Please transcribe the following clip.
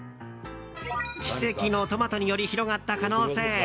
奇跡のトマトにより広がった可能性。